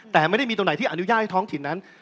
แต่ไม่ได้มีตรงไหนที่อนุญาตให้ท้องถิ่นนั้น